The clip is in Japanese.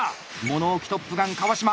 物置トップガン川島